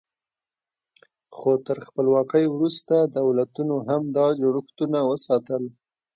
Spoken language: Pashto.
خو تر خپلواکۍ وروسته دولتونو هم دا جوړښتونه وساتل.